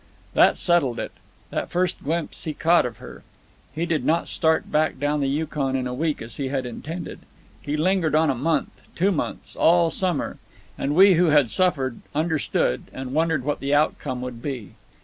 "That settled it, that first glimpse he caught of her. He did not start back down the Yukon in a week, as he had intended. He lingered on a month, two months, all summer. And we who had suffered understood, and wondered what the outcome would be.